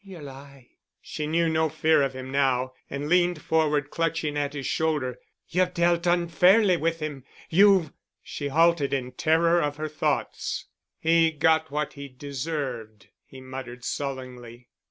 "You lie." She knew no fear of him now, and leaned forward, clutching at his shoulder. "You've dealt unfairly with him—you've——" She halted in terror of her thoughts. "He got what he deserved," he muttered sullenly.